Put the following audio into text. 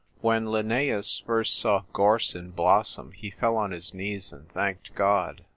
When Linnaeus first saw gorse in blossom he fell on his knees and thanked God.